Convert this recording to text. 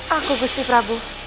aku gusti prabu